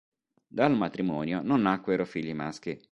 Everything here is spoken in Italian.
Dal matrimonio non nacquero figli maschi.